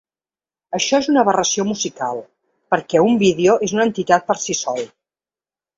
Això és una aberració musical, perquè un vídeo és una entitat per si sol.